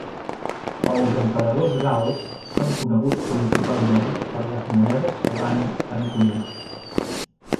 Els emperadors gals son coneguts principalment per les monedes que van encunyar.